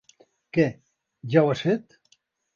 Què, ja ho has fet?